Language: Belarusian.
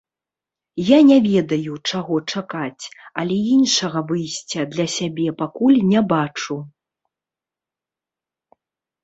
Я не ведаю, чаго чакаць, але іншага выйсця для сябе пакуль не бачу.